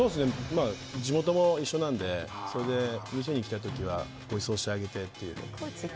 地元も一緒なので店に来たときはごちそうしてあげてっていう。